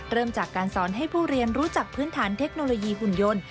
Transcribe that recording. เริ่มจากการสอนให้ผู้เรียนรู้จักพื้นฐานเทคโนโลยีหุ่นยนต์